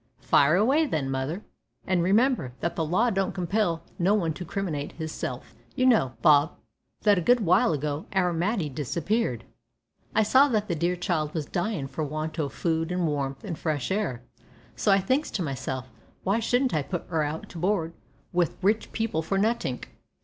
"Fire away, then, mother, an' remember that the law don't compel no one to criminate hisself." "You know, Bob, that a good while ago our Matty disappeared. I saw that the dear child was dyin' for want o' food an' warmth an' fresh air, so I thinks to myself, `why shouldn't I put 'er out to board wi' rich people for nothink?'"